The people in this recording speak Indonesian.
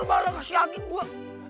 loe baru kasih angin gue